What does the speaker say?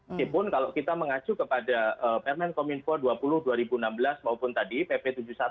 meskipun kalau kita mengacu kepada permen kominfo dua puluh dua ribu enam belas maupun tadi pp tujuh puluh satu